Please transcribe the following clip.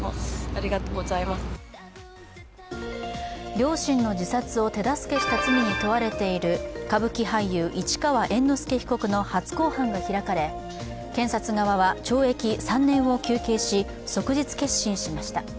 両親の自殺を手助けした罪に問われている歌舞伎俳優・市川猿之助被告の初公判が開かれ、検察側は懲役３年を求刑し、即日結審しました。